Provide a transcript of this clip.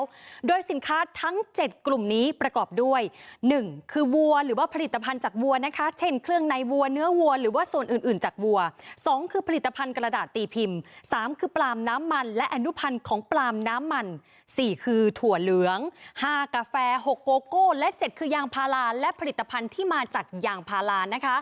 แล้วโดยสินค้าทั้ง๗กลุ่มนี้ประกอบด้วย๑คือวัวหรือว่าผลิตภัณฑ์จากวัวนะคะเช่นเครื่องในวัวเนื้อวัวหรือว่าส่วนอื่นจากวัว๒คือผลิตภัณฑ์กระดาษตีพิมพ์๓คือปลามน้ำมันและอนุพันธ์ของปลามน้ำมัน๔คือถั่วเหลือง๕กาแฟ๖โกโก้และ๗คือยางพาราและผลิตภัณฑ์ที่มาจากยางพารานะคะ